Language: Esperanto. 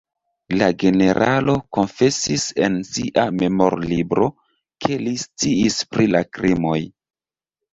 La generalo konfesis en sia memorlibro, ke li sciis pri la krimoj.